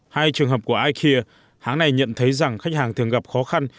hai trường hợp của ikea hãng này nhận thấy rằng khách hàng thường gặp khó khăn